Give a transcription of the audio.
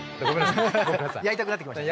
やりたくなってきましたね。